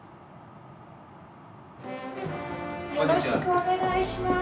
よろしくお願いします。